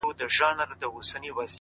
هدف واضح وي نو ګامونه ثابت وي؛